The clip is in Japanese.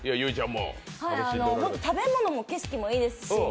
ほんと食べ物も景色もいいですし。